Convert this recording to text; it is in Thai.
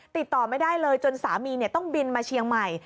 ติดต่อไม่ได้เลยจนสามีต้องบินมาเชียงใหม่